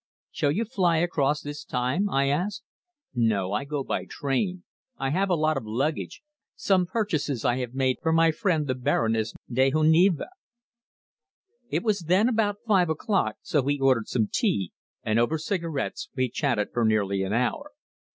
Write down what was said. "Shall you fly across this time?" I asked. "No. I go by train. I have a lot of luggage some purchases I have made for my friend the Baroness de Henonville." It was then about five o'clock, so he ordered some tea, and over cigarettes we chatted for nearly an hour.